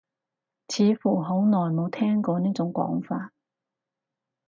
似乎好耐冇聽過呢種講法